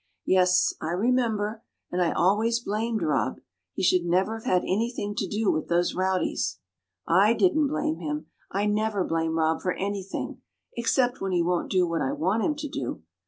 "Yes, I remember, and I always blamed Rob. He should never have had anything to do with those rowdies." "I didn't blame him; I never blame Rob for anything, except when he won't do what I want him to do.